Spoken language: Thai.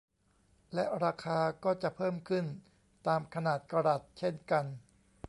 และราคาก็จะเพิ่มขึ้นตามขนาดกะรัตเช่นกัน